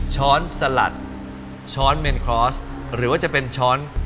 ช้อนสลัดช้อนเมนคลอสหรือว่าจะเป็นช้อน